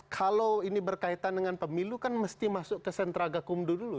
kalau ini berkaitan dengan pemilu kan mesti masuk ke sentra gakumdu dulu